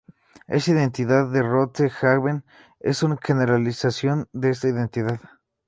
La identidad de Rothe-Hagen es una generalización de esta identidad.